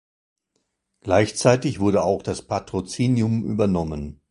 Gleichzeitig wurde auch das Patrozinium übernommen.